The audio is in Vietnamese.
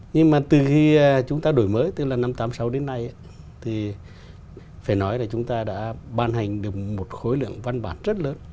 nhưng mà từ khi chúng ta đổi mới tức là năm một nghìn tám mươi sáu đến nay thì phải nói là chúng ta đã ban hành được một khối lượng văn bản rất lớn